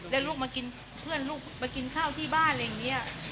แล้วลูกมากินเพื่อนลูกมากินข้าวที่บ้านอะไรอย่างนี้